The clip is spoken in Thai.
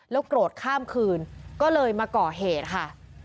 แล้วโกรธข้ามคืนก็เลยมาเกาะเหตุค่ะ